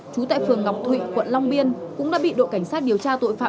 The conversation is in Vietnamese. trú tại phường ngọc thụy quận long biên cũng đã bị đội cảnh sát điều tra tội phạm